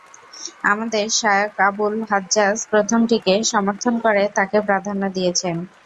আমাদের Shaykh Abul Hajjaj প্রথমটিকে সমর্থন করে তাঁকে প্রাধান্য দিয়েছেন।